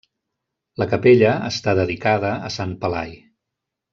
La capella està dedicada a Sant Pelai.